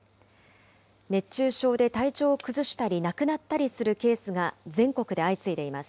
熱中症で体調を崩したり亡くなったりするケースが全国で相次いでいます。